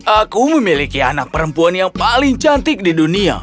aku memiliki anak perempuan yang paling cantik di dunia